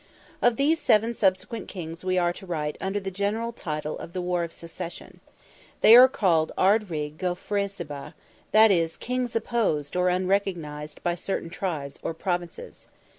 Of these seven subsequent kings we are to write under the general title of "the War of Succession." They are called Ard Righ go Fresabra, that is, kings opposed, or unrecognised, by certain tribes, or Provinces.